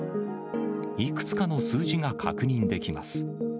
いくつかの数字が確認できます。